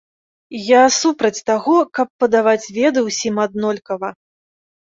Я супраць таго, каб падаваць веды ўсім аднолькава.